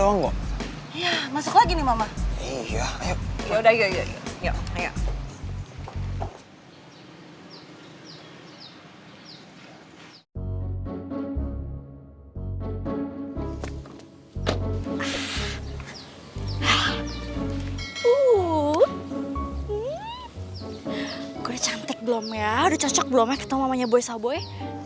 uuuuhh gue cantik belum ya udah cocok belum ya ketemu mamanya boy sawboy